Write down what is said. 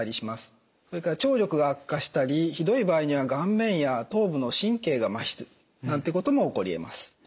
それから聴力が悪化したりひどい場合には顔面や頭部の神経がまひするなんてことも起こりえます。